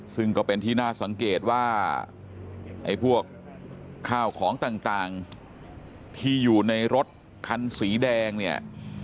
ซึ่งก็เป็นที่น่าสังเกตว่าไอ้พวกข้าวของต่างที่อยู่ในรถคันสีแดงเนี่ย